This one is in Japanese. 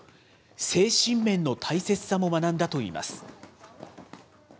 精神面の大切さも学んだといいます。